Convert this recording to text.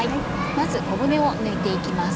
まず小骨を抜いて行きます。